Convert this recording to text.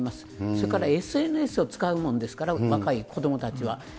それからＳＮＳを使うもんですから、若い子どもたちは。